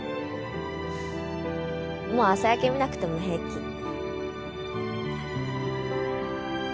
もう朝焼け見なくても平気。